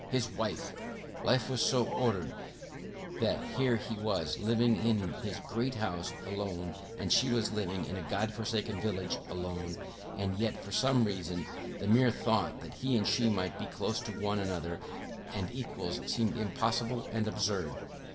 His wife! Life was so ordered that here he was living in his great house alone, and she was living in a God forsaken village alone, and yet for some reason the mere thought that he and she might be close to one another and equals seemed impossible and absurd.